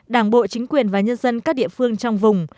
đảng bộ chính quyền và nhân dân các địa phương trong vùng